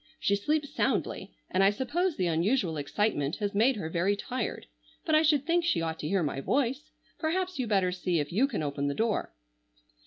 She sleeps soundly, and I suppose the unusual excitement has made her very tired. But I should think she ought to hear my voice. Perhaps you better see if you can open the door."